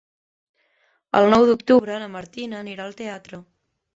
El nou d'octubre na Martina anirà al teatre.